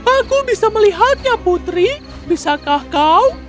aku bisa melihatnya putri bisakah kau